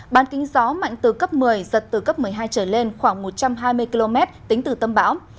bán kính gió mạnh từ cấp một mươi giật từ cấp một mươi hai trở lên khoảng một trăm hai mươi km tính từ tâm bão